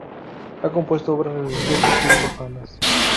Ha compuesto obras religiosas y profanas.